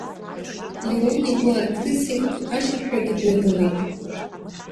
Леон игәы ааҭрысит, ашырҳәагьы дҩагылеит.